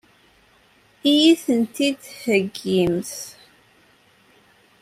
Ad iyi-tent-id-theggimt?